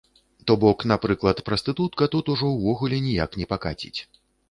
То бок, напрыклад, прастытутка тут ужо ўвогуле ніяк не пакаціць.